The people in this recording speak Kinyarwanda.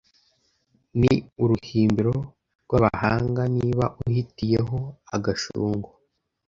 Ni uruhimbiro rw’abahanga Niba uhutiye ho agashungo